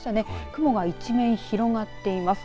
雲が一面、広がっています。